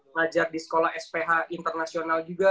ngajar di sekolah sph internasional juga